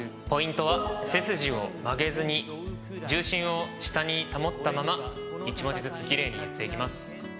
ポイントは背筋を曲げずに重心を下に保ったまま１文字ずつ奇麗に言っていきます。